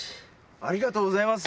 ありがとうございます。